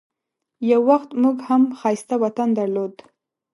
یو وخت موږ هم ښایسته وطن درلود.